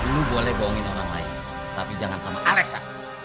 lu boleh bohongin orang lain tapi jangan sama alexa